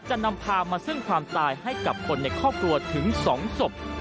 จะนำพามาเสื่อมความตายให้กับคนในครอบครัวถึงสองศพ